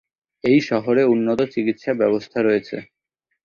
এই শহরে উন্নত চিকিৎসা ব্যবস্থা রয়েছে।